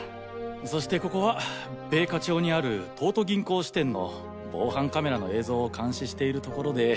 そしてここは米花町にある東都銀行支店の防犯カメラの映像を監視している所で。